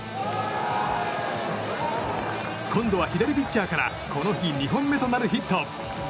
今度は左ピッチャーからこの日２本目となるヒット。